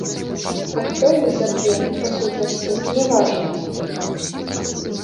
А хто іх заб'е, па сутнасці, не важна.